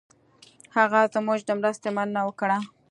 هغه زموږ د مرستې مننه وکړه.